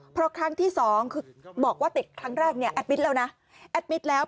เพราะครั้งที่สองบอกว่าติดครั้งแรกแอดมิตแล้วนะ